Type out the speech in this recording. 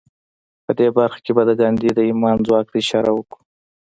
په دې برخه کې به د ګاندي د ايمان ځواک ته اشاره وکړو.